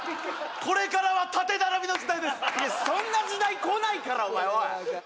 これからは縦並びの時代ですいやそんな時代来ないからお前おい！